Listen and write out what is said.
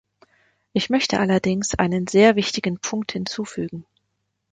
Ich möchte allerdings einen sehr wichtigen Punkt hinzufügen.